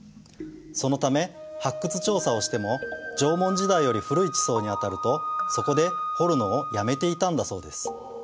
そのため発掘調査をしても縄文時代より古い地層に当たるとそこで掘るのをやめていたんだそうです。